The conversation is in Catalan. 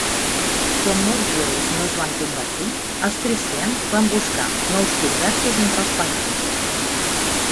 Quan molts jueus no es van convertir, els cristians van buscar nous conversos entre els pagans.